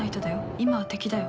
今は敵だよ。